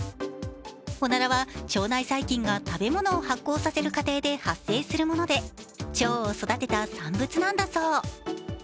おならは腸内細菌が食べ物を発酵させる過程で発生するもので腸を育てた産物なんだそう。